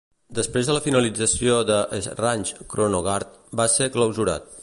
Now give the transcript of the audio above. Després de la finalització de Esrange Kronogard va ser clausurat.